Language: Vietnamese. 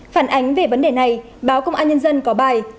phản ánh về vấn đề này báo công an nhân dân có bài